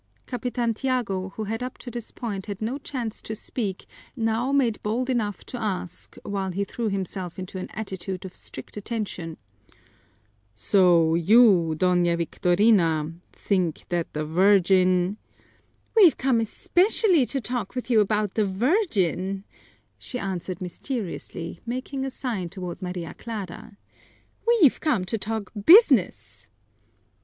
Capitan Tiago, who had up to this point had no chance to speak, now made bold enough to ask, while he threw himself into an attitude of strict attention, "So you, Doña Victorina, think that the Virgin " "We've come ezpezially to talk with you about the virgin," she answered mysteriously, making a sign toward Maria Clara. "We've come to talk business."